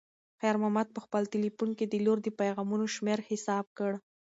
خیر محمد په خپل تلیفون کې د لور د پیغامونو شمېر حساب کړ.